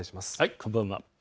こんばんは。